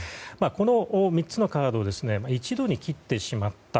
この３つのカードを一度に切ってしまった。